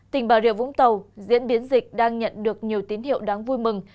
tỉnh bà rịa vũng tàu diễn biến dịch đang nhận được nhiều tín hiệu đáng vui mừng